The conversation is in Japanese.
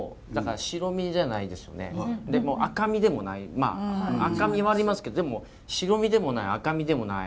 まあ赤身はありますけどでも白身でもない赤身でもない。